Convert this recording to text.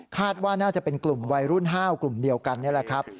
ว่าน่าจะเป็นกลุ่มวัยรุ่น๕กลุ่มเดียวกันนี่แหละครับ